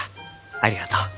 ありがとう。